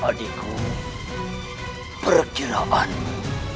yang adikku berkiraanmu